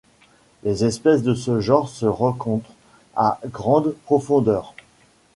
Les espèces de ce genre se rencontrent à grandes profondeurs.